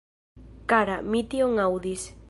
Kara, mi tion aŭdis.